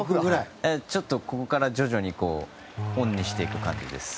ちょっと、ここから徐々にオンにしていく感じです。